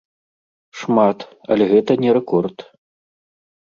Шмат, але гэта не рэкорд.